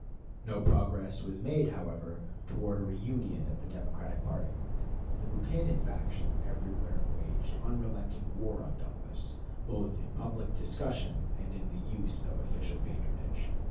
No progress was made, however, towards a reunion of the Democratic party. The Buchanan faction everywhere waged unrelenting war on Douglas, both in public discussion and in the use of official patronage.